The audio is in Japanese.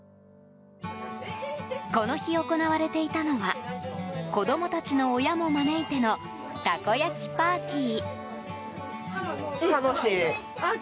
この日、行われていたのは子供たちの親も招いてのたこ焼きパーティー。